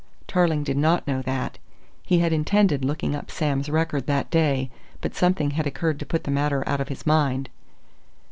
Tarling did not know that. He had intended looking up Sam's record that day, but something had occurred to put the matter out of his mind.